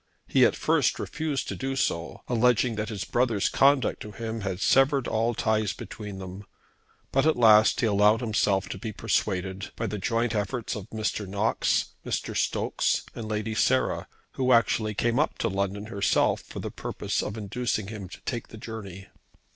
He at first refused to do so, alleging that his brother's conduct to him had severed all ties between them; but at last he allowed himself to be persuaded by the joint efforts of Mr. Knox, Mr. Stokes, and Lady Sarah, who actually came up to London herself for the purpose of inducing him to take the journey.